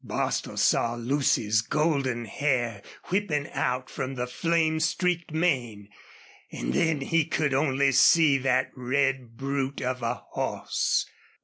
Bostil saw Lucy's golden hair whipping out from the flame streaked mane. And then he could only see that red brute of a horse.